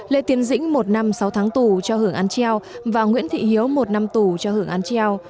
lê tiến dĩnh một năm sáu tháng tù cho hưởng án treo và nguyễn thị hiếu một năm tù cho hưởng án treo